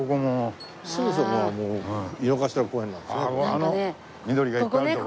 あの緑がいっぱいある所が。